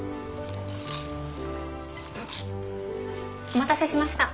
お待たせしました。